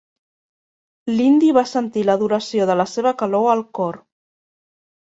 L'indi va sentir l'adoració de la seva calor al cor.